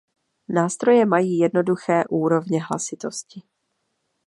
Nástroje mají jednoduché úrovně hlasitosti.